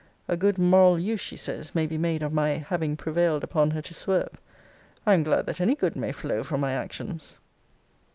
A good moral use, she says, may be made of my 'having prevailed upon her to swerve.' I am glad that any good may flow from my actions.